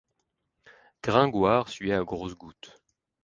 Gringoire suait à grosses gouttes.